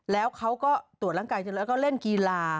แล้วเขาก็ตรวจร่างกายเสร็จแล้วก็เล่นกีฬา